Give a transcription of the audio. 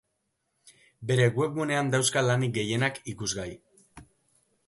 Bere webgunean dauzka lanik gehienak ikusgai.